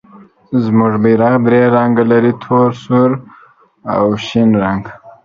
زموږ بیرغ درې رنګه لري، تور، سور او شین رنګ.